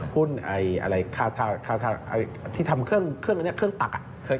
หุ้นอะไรที่ทำเครื่องตัก